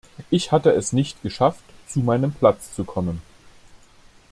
Ich hatte es nicht geschafft, zu meinem Platz zu kommen.